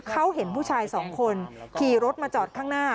เขาเห็นผู้ชายสองคนขี่รถมาจอดข้างหน้า